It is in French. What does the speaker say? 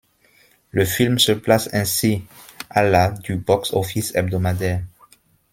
Le film se place ainsi à la du box-office hebdomadaire.